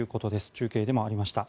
中継でもありました。